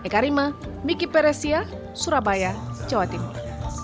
saya mbak bayah jawa timur